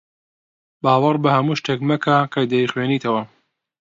باوەڕ بە هەموو شتێک مەکە کە دەیخوێنیتەوە.